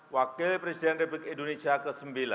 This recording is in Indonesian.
wakil presiden republik indonesia ke sembilan